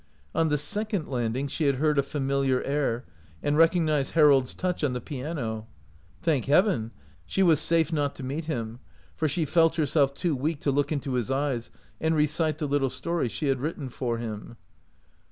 On the second landing she had heard a familiar air and recognized Harold's touch on the piano. Thank Heaven! she was safe not to meet him, for she felt herself too weak to look into his eyes and recite the little story she had written for him.